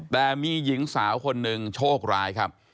แต่มีหญิงสาวคนหนึ่งโชคร้ายครับ